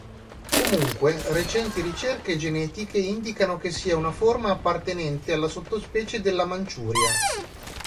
Comunque, recenti ricerche genetiche indicano che sia una forma appartenente alla sottospecie della Manciuria.